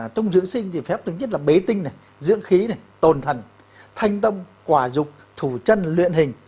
trong dưỡng sinh thì phép thứ nhất là bế tinh dưỡng khí tồn thần thanh tông quả dục thủ chân luyện hình